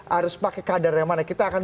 harus pakai kadar yang mana kita akan